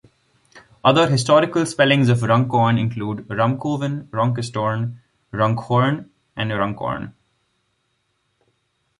Other historical spellings of Runcorn include "Rumcoven", "Ronchestorn", "Runckhorne", and "Runcorne".